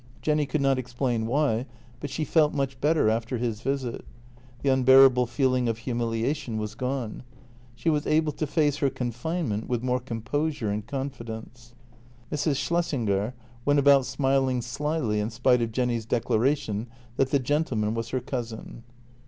Jenny could not explain why, but she felt much better after his visit. The unbearable feel ing of humiliation was gone; she was able to face her confine ment with more composure and confidence. Mrs. Schlessinger went about smiling slyly in spite of Jenny's declaration that the gentleman was her cousin.